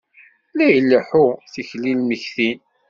La ileḥḥu, tikli n lmegtin.